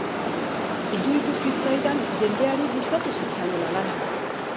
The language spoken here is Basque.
Iruditu zitzaidan jendeari gustatu zitzaiola lana.